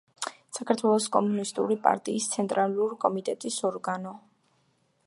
საქართველოს კომუნისტური პარტიის ცენტრალური კომიტეტის ორგანო.